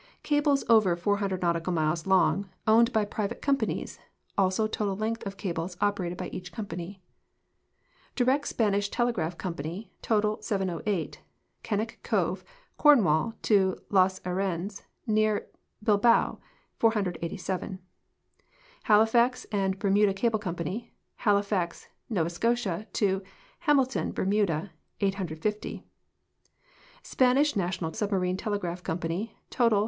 CABLES OVER FOUR HUNDRED NAUTICAL MILES LONG, OWNED BY PRIVATE COMPANIES ; ALSO TOTAL LENGTH OF CABLES OPERATED BY EACH CO.MPANY. Direct .Spanish Telegraph Company, total, 708: Kennack Cove, Corn wall, to Las Arenas, near Bilbao, 487. Halifax and Bermuda Cable Company: Halifax, N. S., t<j Hamilton, Bermuda, 8.50. Spanish National Submarine Telegra[)h Company, total, 2,1.